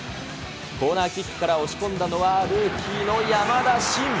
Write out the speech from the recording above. コーナーキックから押し込んだのは、ルーキーの山田新。